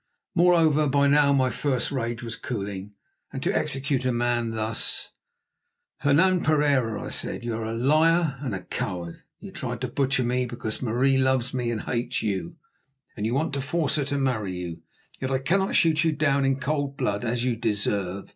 Moreover, by now my first rage was cooling, and to execute a man thus— "Hernan Pereira," I said, "you are a liar and a coward. You tried to butcher me because Marie loves me and hates you, and you want to force her to marry you. Yet I cannot shoot you down in cold blood as you deserve.